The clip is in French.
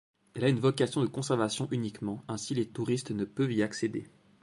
Elle a une vocation de conservation uniquement, ainsi les touristes ne peuvent y accéder.